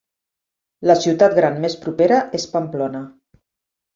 La ciutat gran més propera és Pamplona.